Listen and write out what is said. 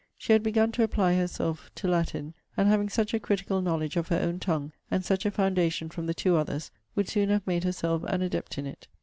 She had begun to apply herself to Latin; and having such a critical knowledge of her own tongue, and such a foundation from the two others, would soon have made herself an adept in it.